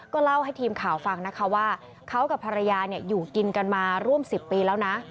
เล่าให้ทีมข่าวฟังนะคะว่าเขากับภรรยาอยู่กินกันมาร่วม๑๐ปีแล้วนะ